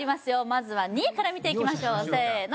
まずは２位から見ていきましょうせーの